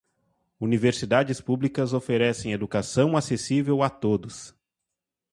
Universidades públicas oferecem educação acessível a todos.